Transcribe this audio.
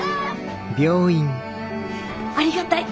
ありがたい！